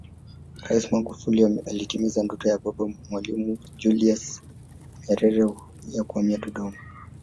Rais Magufuli ametimiza ndoto ya Baba wa Taifa Mwalimu Nyerere ya kuhamia Dodoma